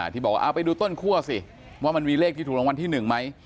ที่บอกว่าเอาไปดูต้นคั่วสิว่ามันมีเลขที่ถูกรางวัลที่๑ไหม